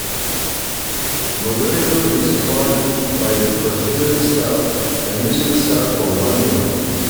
The Moderator is appointed by the Presbytery itself and usually serves for one year.